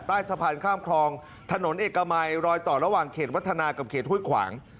ใต้สะพานข้ามคลองถนนเอกมัยรอยต่อระหว่างเขตวัฒนากับเขตห้วยขวาง